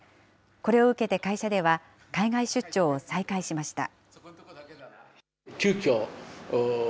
これを受けて会社では海外出張を再開しました。